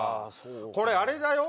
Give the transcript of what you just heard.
これあれだよ